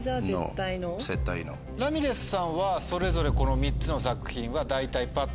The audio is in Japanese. ラミレスさんはそれぞれこの３つの作品は大体パッと。